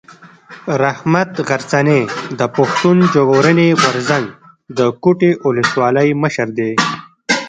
رحمت غرڅنی د پښتون ژغورني غورځنګ د کوټي اولسوالۍ مشر دی.